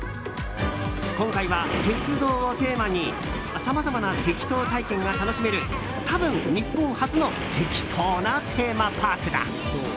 今回は鉄道をテーマにさまざまなてきと体験が楽しめる多分、日本初のてきとなテーマパークだ。